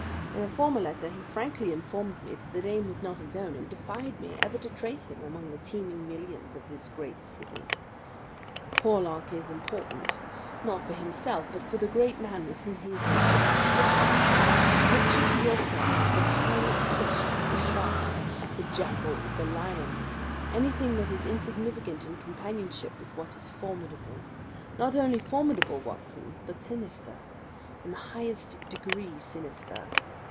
In a former letter he frankly informed me that the name was not his own, and defied me ever to trace him among the teeming millions of this great city. Porlock is important, not for himself, but for the great man with whom he is in touch. Picture to yourself the pilot fish with the shark, the jackal with the lion anything that is insignificant in companionship with what is formidable: not only formidable, Watson, but sinister in the highest degree sinister.